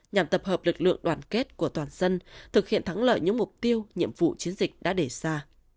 nhằm tập hợp lực lượng đoàn kết của toàn dân thực hiện thắng lợi những mục tiêu nhiệm vụ chiến dịch đã đề ra